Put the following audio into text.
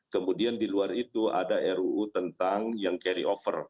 kemudian diluar itu ada ruu tentang yang carry over